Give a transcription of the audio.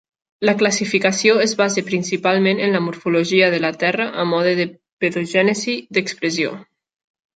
La classificació es basa principalment en la morfologia de la terra a mode de pedogènesi d"expressió.